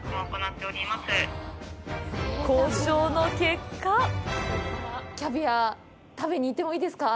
交渉の結果キャビア、食べに行ってもいいですか？